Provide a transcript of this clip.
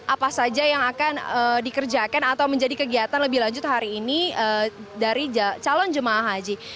apa saja yang akan dikerjakan atau menjadi kegiatan lebih lanjut hari ini dari calon jemaah haji